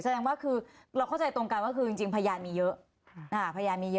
แสดงว่าคือเราเข้าใจตรงกันว่าคือจริงพยานมีเยอะ